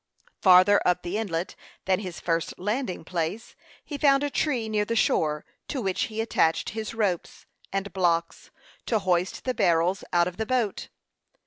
Farther up the inlet than his first landing place he found a tree near the shore, to which he attached his ropes and blocks, to hoist the barrels out of the boat.